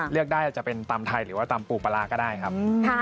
เลือกได้อาจจะเป็นตำไทยหรือว่าตำปูปลาร้าก็ได้ครับ